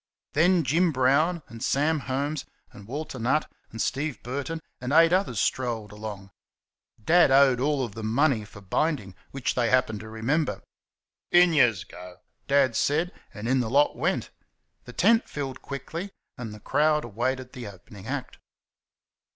Then Jim Brown and Sam Holmes, and Walter Nutt, and Steve Burton, and eight others strolled along. Dad owed all of them money for binding, which they happened to remember. "In yous go," Dad said, and in the lot went. The tent filled quickly, and the crowd awaited the opening act.